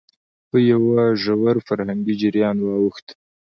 په يوه ژور فرهنګي جريان واوښت،